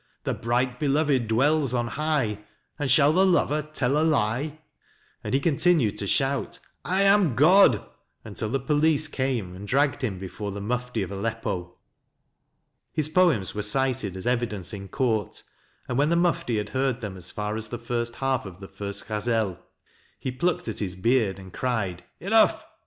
The bright beloved dwells on high, And shall the lover tell a lie? and he continued to shout " I am God " until the police came and dragged him before the Mufti of Aleppo. His poems were cited as evidence in court, and when the Mufti had heard them as far as the first half of the first Ghazel, he plucked at his beard and cried: " Enough!